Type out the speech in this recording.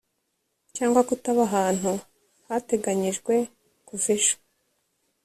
cyangwa kutaba ahantu hateganyijwe kuva ejo